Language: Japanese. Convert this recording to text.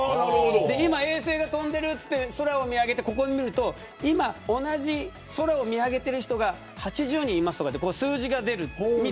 今、衛星が飛んでいるといって空を見上げて、ここ見ると今同じ空を見上げてる人が８０人いますとか数字が出る。